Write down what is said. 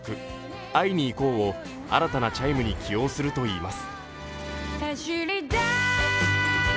「会いにいこう」を新たなチャイムに起用するといいます。